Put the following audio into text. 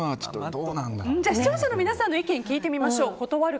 視聴者の皆さんの意見聞いてみましょう。